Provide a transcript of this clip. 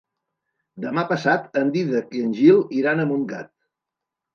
Demà passat en Dídac i en Gil iran a Montgat.